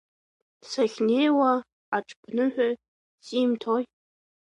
Сахьнеиуа аҽԥныҳәа симҭои…